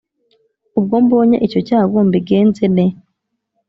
Ubwo mbonye icyo cyago mbigenze ne